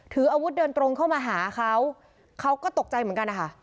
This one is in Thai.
ถืออาวุธเดินตรงเข้ามาหาเขาเขาก็ตกใจเหมือนกันนะคะ